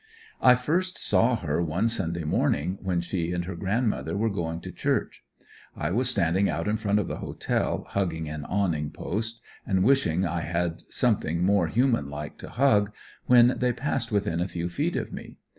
I first saw her one Sunday morning when she and her grandmother were going to church. I was standing out in front of the Hotel hugging an awning post, and wishing that I had something more human like to hug, when they passed within a few feet of me.